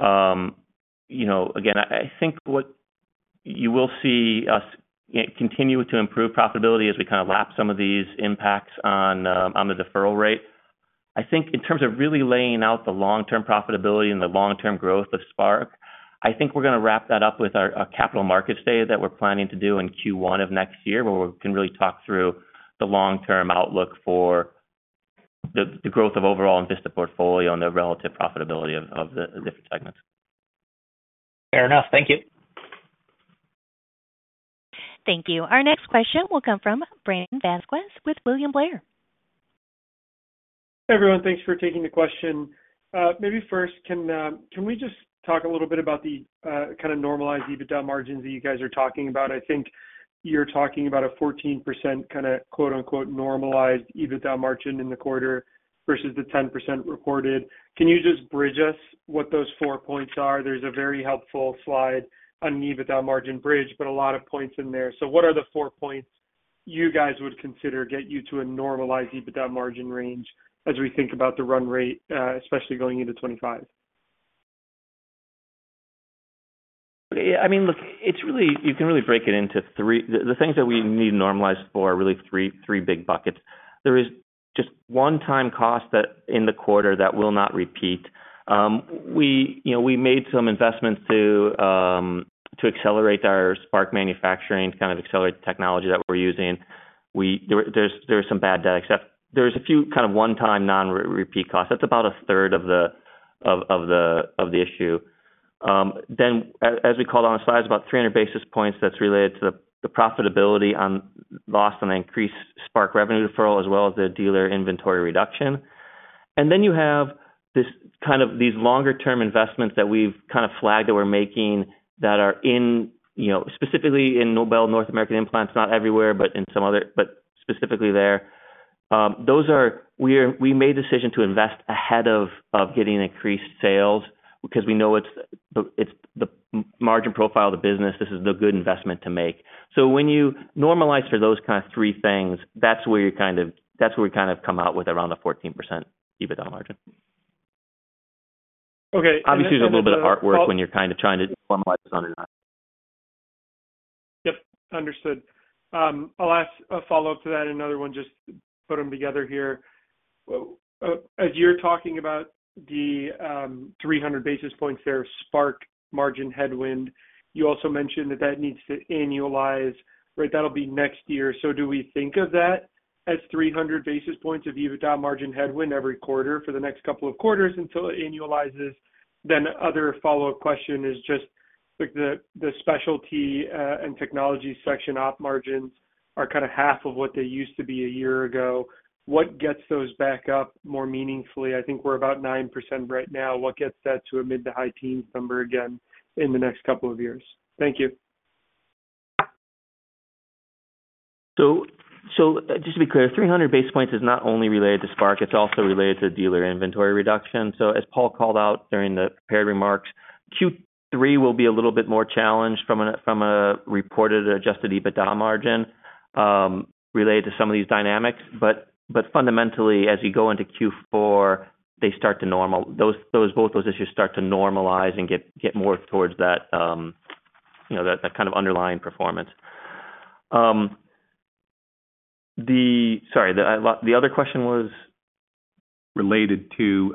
again, I think what you will see us continue to improve profitability as we kind of lap some of these impacts on the deferral rate. I think in terms of really laying out the long-term profitability and the long-term growth of Spark, I think we're going to wrap that up with our capital markets day that we're planning to do in Q1 of next year, where we can really talk through the long-term outlook for the growth of overall Envista portfolio and the relative profitability of the different segments. Fair enough. Thank you. Thank you. Our next question will come from Brandon Vazquez with William Blair. Hey, everyone. Thanks for taking the question. Maybe first, can we just talk a little bit about the kind of normalized EBITDA margins that you guys are talking about? I think you're talking about a 14% kind of "normalized EBITDA margin" in the quarter versus the 10% reported. Can you just bridge us what those four points are? There's a very helpful slide on an EBITDA margin bridge, but a lot of points in there. So what are the four points you guys would consider get you to a normalized EBITDA margin range as we think about the run rate, especially going into 2025? I mean, look, you can really break it into three. The things that we need to normalize for are really three big buckets. There is just one-time cost in the quarter that will not repeat. We made some investments to accelerate our Spark manufacturing, kind of accelerate the technology that we're using. There was some bad debt expense. There was a few kind of one-time non-repeat costs. That's about a third of the issue. Then, as we called on the slide, it's about 300 basis points that's related to the profitability on P&L and increased Spark revenue deferral, as well as the dealer inventory reduction. And then you have kind of these longer-term investments that we've kind of flagged that we're making that are specifically in Nobel North American implants, not everywhere, but in some other, but specifically there. We made a decision to invest ahead of getting increased sales because we know it's the margin profile of the business. This is the good investment to make. So when you normalize for those kind of three things, that's where you kind of—that's where we kind of come out with around a 14% EBITDA margin. Okay. Obviously, there's a little bit of artwork when you're kind of trying to normalize on it. Yep. Understood. I'll ask a follow-up to that. Another one, just putting together here. As you're talking about the 300 basis points there, Spark margin headwind, you also mentioned that that needs to annualize, right? That'll be next year. So do we think of that as 300 basis points of EBITDA margin headwind every quarter for the next couple of quarters until it annualizes? Then the other follow-up question is just the specialty and technology section op margins are kind of half of what they used to be a year ago. What gets those back up more meaningfully? I think we're about 9% right now. What gets that to a mid-to-high teens number again in the next couple of years? Thank you. Just to be clear, 300 basis points is not only related to Spark. It's also related to dealer inventory reduction. As Paul called out during the prepared remarks, Q3 will be a little bit more challenged from a reported adjusted EBITDA margin related to some of these dynamics. But fundamentally, as you go into Q4, they start to normalize. Both those issues start to normalize and get more towards that kind of underlying performance. Sorry, the other question was related to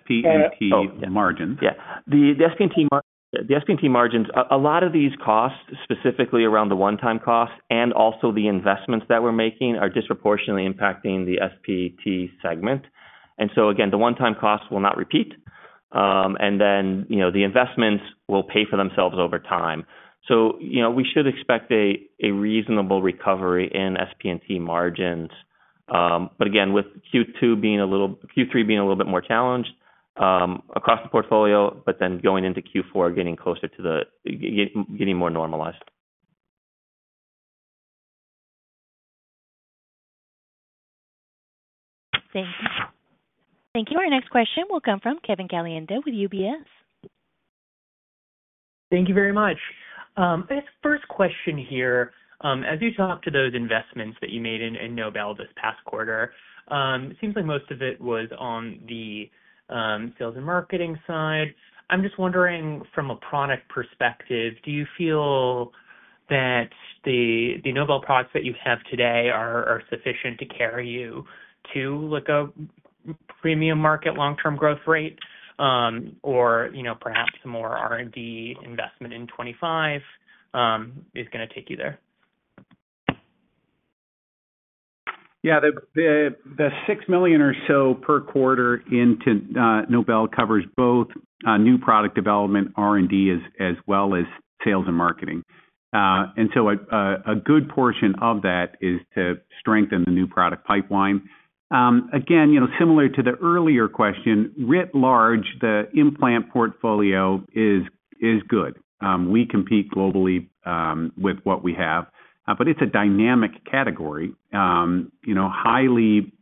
SP&T margins. Yeah. The SP&T margins, a lot of these costs, specifically around the one-time costs and also the investments that we're making, are disproportionately impacting the SP&T segment. And so, again, the one-time costs will not repeat. And then the investments will pay for themselves over time. So we should expect a reasonable recovery in SP&T margins. But again, with Q3 being a little bit more challenged across the portfolio, but then going into Q4, getting more normalized. Thank you. Our next question will come from Kevin Caliendo with UBS. Thank you very much. I guess first question here, as you talked about those investments that you made in Nobel this past quarter, it seems like most of it was on the sales and marketing side. I'm just wondering, from a product perspective, do you feel that the Nobel products that you have today are sufficient to carry you to a premium market long-term growth rate, or perhaps more R&D investment in 2025 is going to take you there? Yeah. The $6 million or so per quarter into Nobel covers both new product development, R&D, as well as sales and marketing. And so a good portion of that is to strengthen the new product pipeline. Again, similar to the earlier question, writ large, the implant portfolio is good. We compete globally with what we have, but it's a dynamic category, highly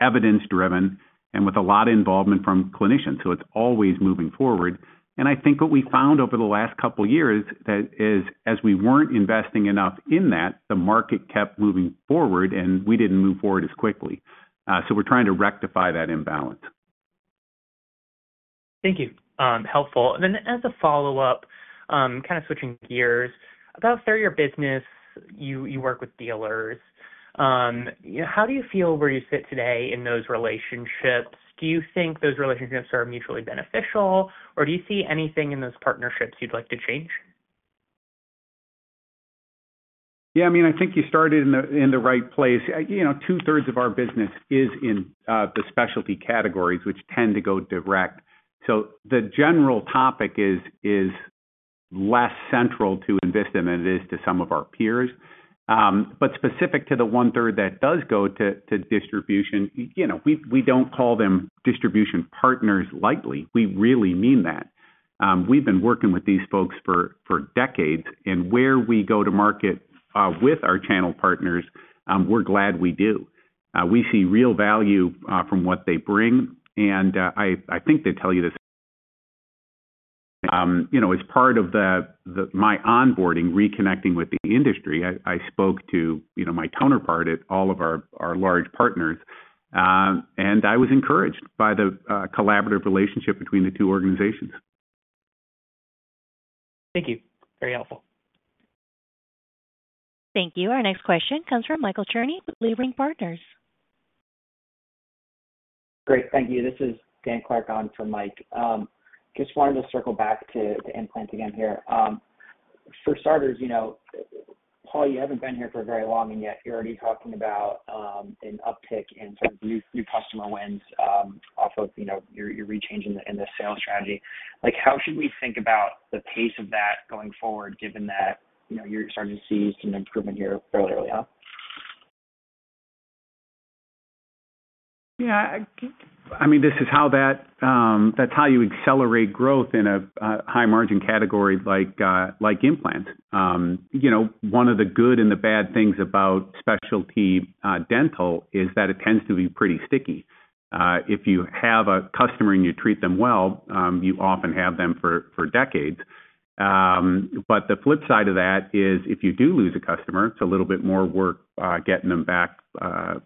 evidence-driven, and with a lot of involvement from clinicians. It's always moving forward. I think what we found over the last couple of years is, as we weren't investing enough in that, the market kept moving forward, and we didn't move forward as quickly. We're trying to rectify that imbalance. Thank you. Helpful. Then as a follow-up, kind of switching gears, about for your business, you work with dealers. How do you feel where you sit today in those relationships? Do you think those relationships are mutually beneficial, or do you see anything in those partnerships you'd like to change? Yeah. I mean, I think you started in the right place. Two-thirds of our business is in the specialty categories, which tend to go direct. The general topic is less central to Envista than it is to some of our peers. But specific to the one-third that does go to distribution, we don't call them distribution partners lightly. We really mean that. We've been working with these folks for decades. Where we go to market with our channel partners, we're glad we do. We see real value from what they bring. I think they tell you this as part of my onboarding, reconnecting with the industry. I spoke to my counterpart at all of our large partners, and I was encouraged by the collaborative relationship between the two organizations. Thank you. Very helpful. Thank you. Our next question comes from Michael Cherny with Leerink Partners. Great. Thank you. This is Dan Clark on for Mike. Just wanted to circle back to implant again here. For starters, Paul, you haven't been here for very long, and yet you're already talking about an uptick in sort of new customer wins off of your re-change in the sales strategy. How should we think about the pace of that going forward, given that you're starting to see some improvement here fairly early on? Yeah. I mean, this is how, that's how you accelerate growth in a high-margin category like implants. One of the good and the bad things about specialty dental is that it tends to be pretty sticky. If you have a customer and you treat them well, you often have them for decades. But the flip side of that is, if you do lose a customer, it's a little bit more work getting them back on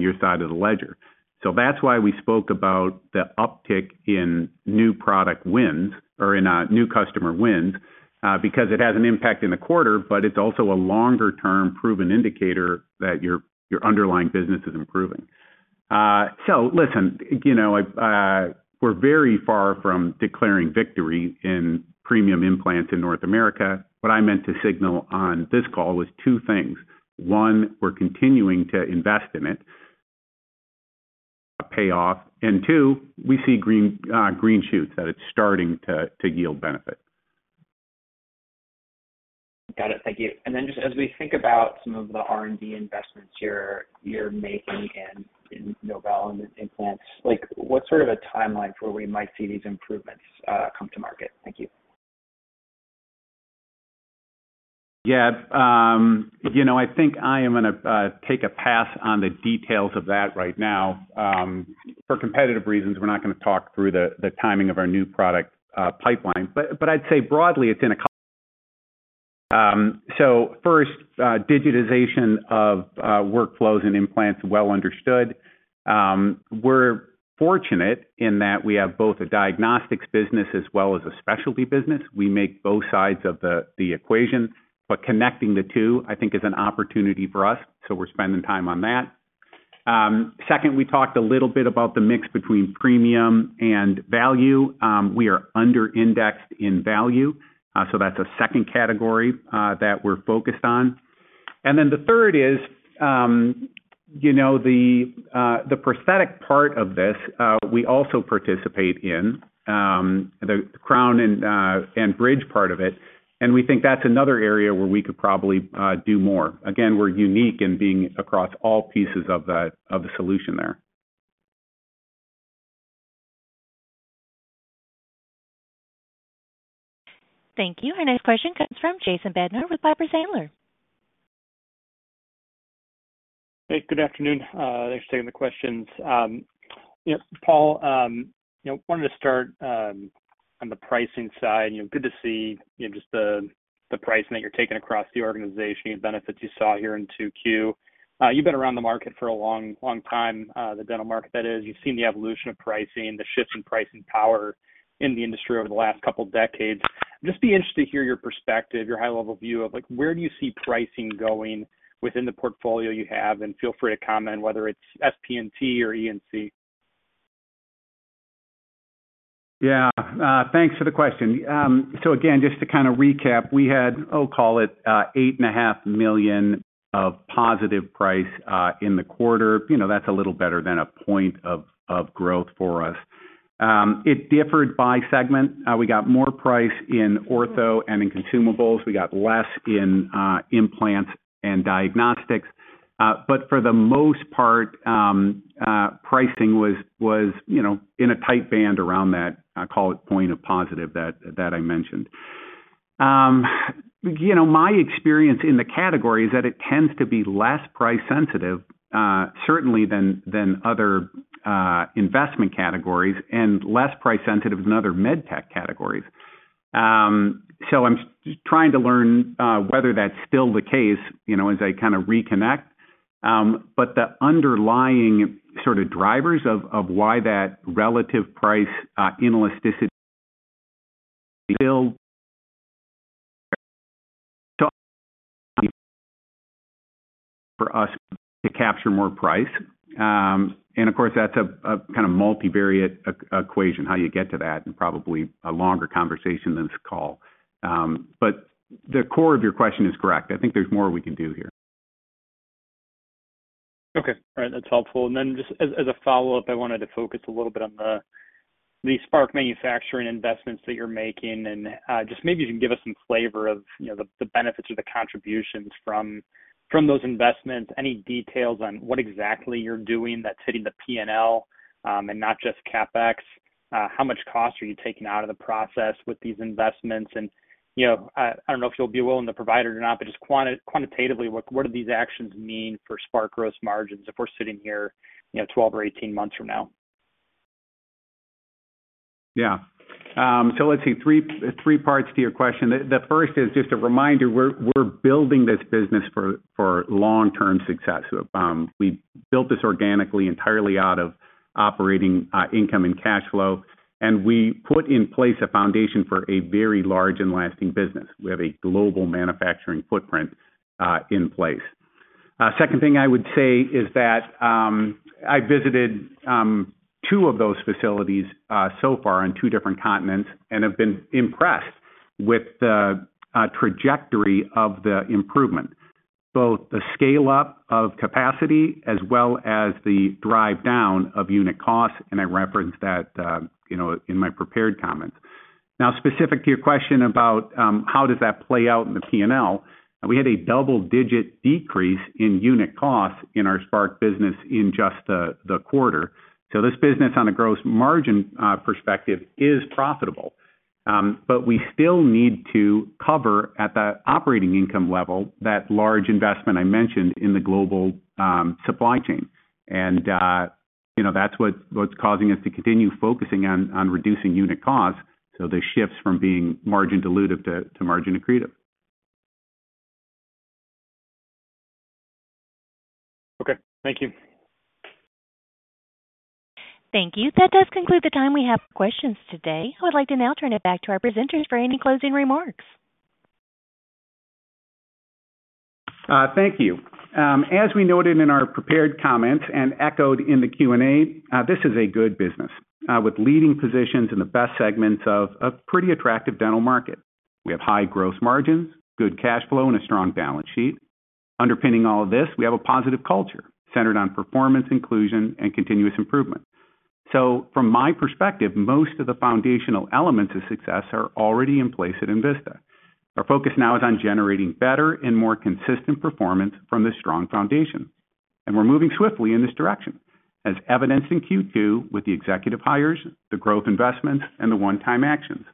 your side of the ledger. That's why we spoke about the uptick in new product wins or in new customer wins, because it has an impact in the quarter, but it's also a longer-term proven indicator that your underlying business is improving. Listen, we're very far from declaring victory in premium implants in North America. What I meant to signal on this call was two things. One, we're continuing to invest in it, pay off. Two, we see green shoots that it's starting to yield benefit. Got it. Thank you. Then just as we think about some of the R&D investments you're making in Nobel and implants, what sort of a timeline for where we might see these improvements come to market? Thank you. Yeah. I think I am going to take a pass on the details of that right now. For competitive reasons, we're not going to talk through the timing of our new product pipeline. But I'd say broadly, it's in a, first, digitization of workflows and implants well understood. We're fortunate in that we have both a diagnostics business as well as a specialty business. We make both sides of the equation. But connecting the two, I think, is an opportunity for us. We're spending time on that. Second, we talked a little bit about the mix between premium and value. We are under-indexed in value. That's a second category that we're focused on. Then the third is the prosthetic part of this we also participate in, the crown and bridge part of it. We think that's another area where we could probably do more. Again, we're unique in being across all pieces of the solution there. Thank you. Our next question comes from Jason Bednar with Piper Sandler. Hey, good afternoon. Thanks for taking the questions. Paul, I wanted to start on the pricing side. Good to see just the pricing that you're taking across the organization, the benefits you saw here in Q2. You've been around the market for a long, long time, the dental market that is. You've seen the evolution of pricing, the shift in pricing power in the industry over the last couple of decades. Just be interested to hear your perspective, your high-level view of where do you see pricing going within the portfolio you have. And feel free to comment whether it's SP&T or E&C. Yeah. Thanks for the question. So again, just to kind of recap, we had, I'll call it, $8.5 million of positive price in the quarter. That's a little better than a point of growth for us. It differed by segment. We got more price in ortho and in consumables. We got less in implants and diagnostics. But for the most part, pricing was in a tight band around that, I'll call it point of positive that I mentioned. My experience in the category is that it tends to be less price-sensitive, certainly than other investment categories, and less price-sensitive than other med tech categories. I'm trying to learn whether that's still the case as I kind of reconnect. But the underlying sort of drivers of why that relative price inelasticity is still for us to capture more price. Of course, that's a kind of multivariate equation, how you get to that, and probably a longer conversation than this call. But the core of your question is correct. I think there's more we can do here. Okay. All right. That's helpful. Then just as a follow-up, I wanted to focus a little bit on the Spark manufacturing investments that you're making. Just maybe you can give us some flavor of the benefits or the contributions from those investments, any details on what exactly you're doing that's hitting the P&L and not just CapEx? How much cost are you taking out of the process with these investments? I don't know if you'll be willing to provide it or not, but just quantitatively, what do these actions mean for Spark gross margins if we're sitting here 12 or 18 months from now? Yeah. So let's see. Three parts to your question. The first is just a reminder, we're building this business for long-term success. We built this organically, entirely out of operating income and cash flow. We put in place a foundation for a very large and lasting business. We have a global manufacturing footprint in place. Second thing I would say is that I visited two of those facilities so far on two different continents and have been impressed with the trajectory of the improvement, both the scale-up of capacity as well as the drive down of unit costs. I referenced that in my prepared comments. Now, specific to your question about how does that play out in the P&L, we had a double-digit decrease in unit costs in our Spark business in just the quarter. This business, on a gross margin perspective, is profitable. We still need to cover at the operating income level that large investment I mentioned in the global supply chain. That's what's causing us to continue focusing on reducing unit costs. The shifts from being margin-dilutive to margin-accretive. Okay. Thank you. Thank you. That does conclude the time we have for questions today. I would like to now turn it back to our presenters for any closing remarks. Thank you. As we noted in our prepared comments and echoed in the Q&A, this is a good business with leading positions in the best segments of a pretty attractive dental market. We have high gross margins, good cash flow, and a strong balance sheet. Underpinning all of this, we have a positive culture centered on performance, inclusion, and continuous improvement. From my perspective, most of the foundational elements of success are already in place at Envista. Our focus now is on generating better and more consistent performance from this strong foundation. We're moving swiftly in this direction, as evidenced in Q2 with the executive hires, the growth investments, and the one-time actions.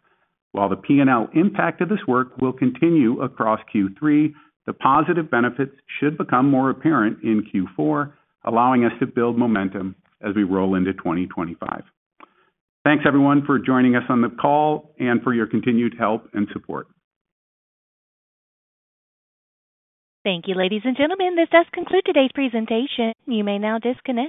While the P&L impact of this work will continue across Q3, the positive benefits should become more apparent in Q4, allowing us to build momentum as we roll into 2025. Thanks, everyone, for joining us on the call and for your continued help and support. Thank you, ladies and gentlemen. This does conclude today's presentation. You may now disconnect.